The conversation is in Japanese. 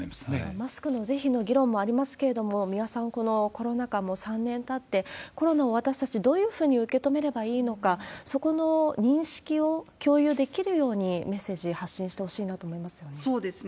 マスクの是非の議論もありますけれども、三輪さん、このコロナ禍、３年たって、私たち、どういうふうに受け止めればいいのか、そこの認識を共有できるように、メッセージそうですね。